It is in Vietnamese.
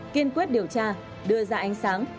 kiên quyết điều tra đưa ra ánh sáng